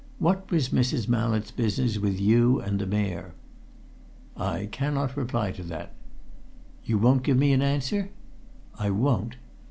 What was Mrs. Mallett's business with you and the Mayor?" "I cannot reply to that." "You won't give me an answer?" "I won't!"